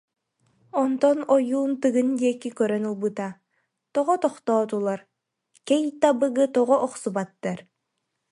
Онтон ойуун Тыгын диэки кѳрѳн ылбыта,— Тоҕо тохтоотулар, Кэй Табыгы тоҕо охсубаттар?